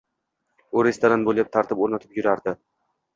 U restoran bo`ylab tartib o`rnatib yurardi